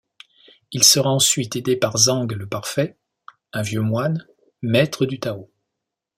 Il sera ensuite aidé par Zhang-le-parfait, un vieux moine, maître du tao.